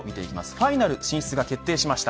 ファイナル進出が決定しました。